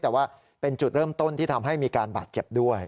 แต่ว่าเป็นจุดเริ่มต้นที่ทำให้มีการบาดเจ็บด้วย